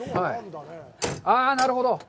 ああ、なるほど。